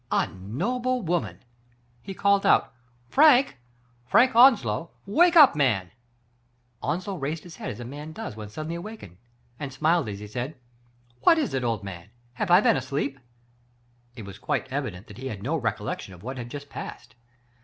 A noble woman !" He called out ;*• Frank — Frank Onslow ! Wake up, man/* Onslow raised his head as a man does when sud denly awakened, and smiled as he said :" What is it, old man ? Have I been asleep? '* It was quite evident that he had no recollection of what had just passed.